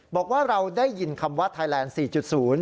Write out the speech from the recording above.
บอกว่าเราได้ยินคำว่าไทยแลนด์๔๐